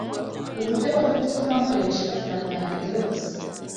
uburyo bwo gutuma nkoresha amafaranga yanjye yose